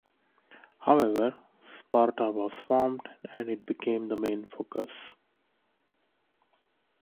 However, Sparta was formed and it became the main focus.